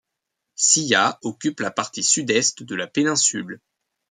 Silla occupe la partie sud-est de la péninsule.